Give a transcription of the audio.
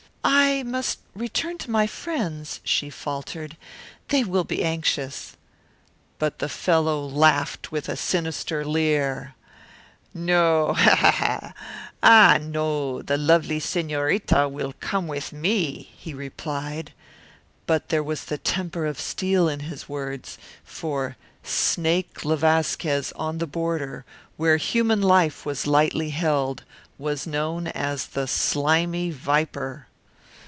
"I must return to my friends," she faltered. "They will be anxious." But the fellow laughed with a sinister leer. "No ah, no, the lovely senorita will come with me," he replied; but there was the temper of steel in his words. For Snake le Vasquez, on the border, where human life was lightly held, was known as the Slimy Viper.